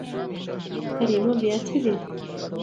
کريمه بيا څه دي.